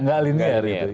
nggak linear gitu